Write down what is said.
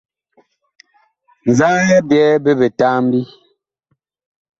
Nzaa a byɛ bi bitambi ?